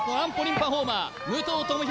パフォーマー武藤智広